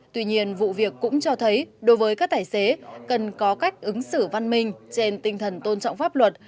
tuy nhiên vụ việc cũng cho thấy đối với các tài xế cần có cách ứng xử văn minh trên tinh thần tôn trọng pháp luật